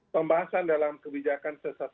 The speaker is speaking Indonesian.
pembahasan dalam kebijakan